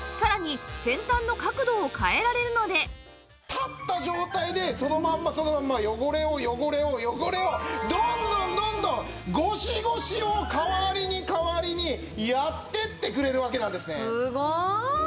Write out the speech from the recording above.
立った状態でそのまんまそのまんま汚れを汚れを汚れをどんどんどんどんゴシゴシを代わりに代わりにやっていってくれるわけなんですね。